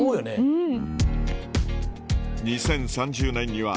うん！